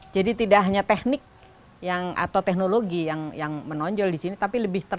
jadi tidak hanya teknik atau teknologi yang menonjol di sini